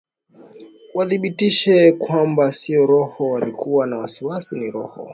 wadhibitishe kwamba sio roho walikuwa na wasiwasi ni roho